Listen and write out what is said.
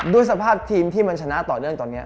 ด้วยสภาพทีมที่มันชนะต่อเนื่องตอนนี้